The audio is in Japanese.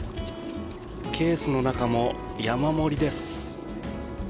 ケースの中も山盛りです。